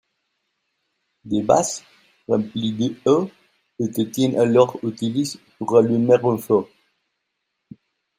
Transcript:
Des vases remplis d'eau étaient alors utilisés pour allumer un feu.